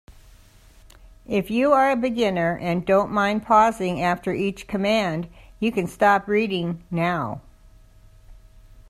If you are a beginner and don't mind pausing after each command, you can stop reading now.